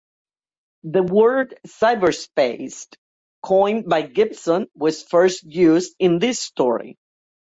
The word cyberspace, coined by Gibson, was first used in this story.